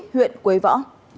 huyện quế võ